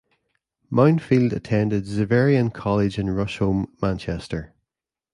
Mounfield attended Xaverian College in Rusholme, Manchester.